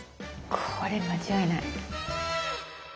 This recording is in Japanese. これ間違いない。